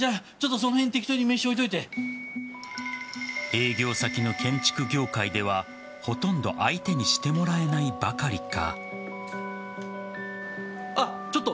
営業先の建築業界ではほとんど相手にしてもらえないばかりか。